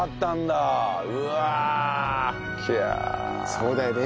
そうだよね。